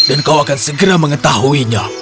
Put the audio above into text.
dan kau akan segera mengetahuinya